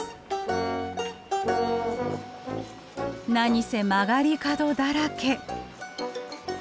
何せ曲がり角だらけ。